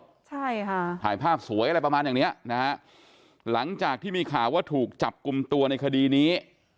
ใช่ค่ะถ่ายภาพสวยอะไรประมาณอย่างเนี้ยนะฮะหลังจากที่มีข่าวว่าถูกจับกลุ่มตัวในคดีนี้